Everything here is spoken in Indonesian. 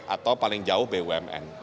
atau paling jauh bumn